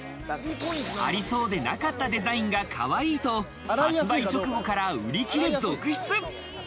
ありそうでなかったデザインがかわいいと、発売直後から売り切れ続出！